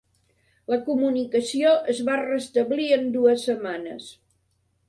La comunicació es va restablir en dues setmanes.